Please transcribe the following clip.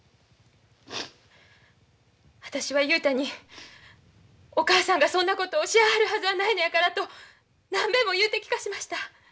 私は雄太にお母さんがそんなことをしはるはずはないのやからと何べんも言うて聞かしました。